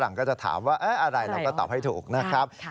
ก็จะถามว่าอะไรเราก็ตอบให้ถูกนะครับ